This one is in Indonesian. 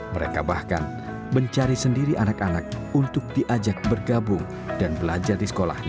mereka bahkan mencari sendiri anak anak untuk diajak bergabung dan belajar di sekolahnya